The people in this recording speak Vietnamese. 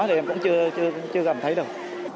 thì em cũng chưa gặp thấy được